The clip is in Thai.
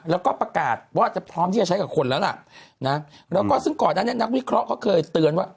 แล้วก็ประกาศว่าจะพร้อมที่จะใช้กับคนแล้วล่ะนะแล้วก็ซึ่งก่อนนั้นเนี่ยนักวิเคราะห์เขาเคยเตือนว่า